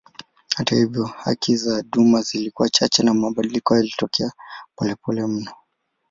Hata hivyo haki za duma zilikuwa chache na mabadiliko yalitokea polepole mno.